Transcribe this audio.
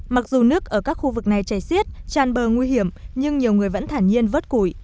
mặc dù nước ở các khu vực này chảy xiết tràn bờ nguy hiểm nhưng nhiều người vẫn thản nhiên vớt củi